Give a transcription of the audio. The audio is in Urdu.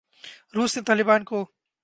روس نے طالبان کو